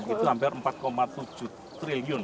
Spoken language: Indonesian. itu hampir empat tujuh triliun